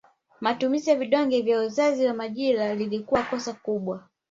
Matumizi ya vidonge vya uzazi wa majira lilikuwa kosa kubwa